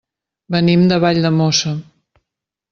Venim de Valldemossa.